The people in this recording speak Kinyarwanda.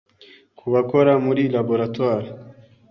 ku bakora muri laboratoire